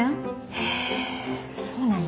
ええーそうなの？